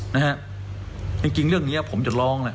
นะฮะจริงเรื่องนี้ผมจะร้องแหละ